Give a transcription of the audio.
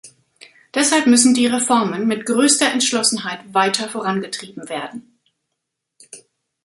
Deshalb müssen die Reformen mit größter Entschlossenheit weiter vorangetrieben werden.